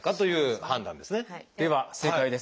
では正解です。